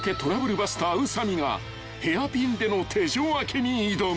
バスター宇佐美がヘアピンでの手錠開けに挑む］